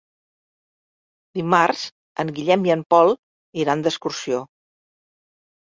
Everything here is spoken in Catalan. Dimarts en Guillem i en Pol iran d'excursió.